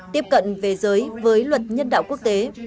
tiếp cận về giới với luật nhân đạo quốc tế